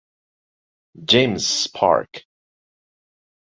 James’s Park.